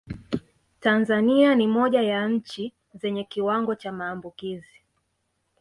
Tanzania ni moja ya nchi zenye kiwango cha maambukizi